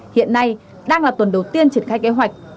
hiện nay đang là tuần đầu tiên triển khai kế hoạch